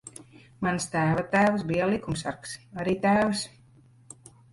Mans tēva tēvs bija likumsargs. Arī tēvs.